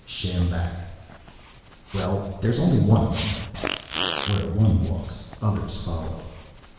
"Sjambak." "Well, there's only one of them." "Where one walks, others follow."